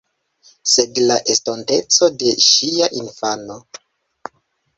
Sed la estonteco de ŝia infano.